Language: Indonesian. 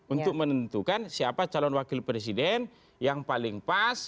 untuk menentukan siapa calon wakil presiden yang paling pas